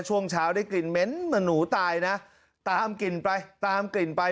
ช่วงเช้าได้กลิ่นเหม็นเหมือนหนูตายนะตามกลิ่นไปตามกลิ่นไป